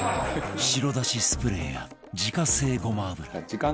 白だしスプレーや自家製ごま油